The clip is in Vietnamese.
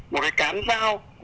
một cái cán dao